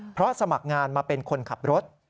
เพราะสมัครงานมาเป็นคนขับรถ